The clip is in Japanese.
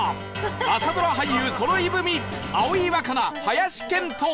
朝ドラ俳優そろい踏み葵わかな林遣都